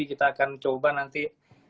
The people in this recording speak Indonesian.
kita akan coba nanti